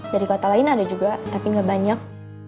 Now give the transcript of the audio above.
dari kota lain ada juga tapi nggak banyak